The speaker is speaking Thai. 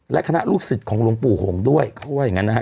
และคณะลูกศิษย์ของหลวงปู่หงด้วยเขาก็ว่าอย่างงั้นนะฮะ